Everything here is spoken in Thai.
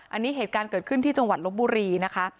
อันนี้เหตุการณ์เกิดขึ้นที่จังหวัดลบบุรีนะคะ